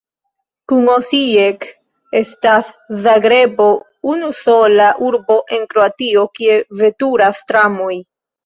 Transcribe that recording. Kun Osijek estas Zagrebo unusola urbo en Kroatio, kie veturas tramoj.